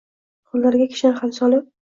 qoʼllariga kishan ham solib